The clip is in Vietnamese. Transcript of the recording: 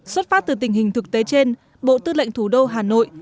xuất phát từ tình hình thực tế trên bộ tư lệnh thủ đô hà nội